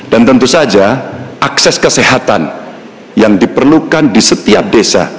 dan tentu saja akses kesehatan yang diperlukan di setiap desa